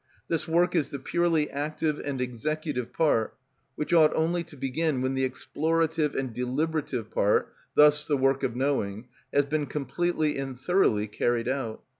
This work is the purely active and executive part, which ought only to begin when the explorative and deliberative part, thus the work of knowing, has been completely and thoroughly carried out.